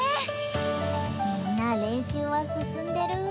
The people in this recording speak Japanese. みんな練習は進んでる？